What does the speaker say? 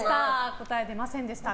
答え出ませんでした。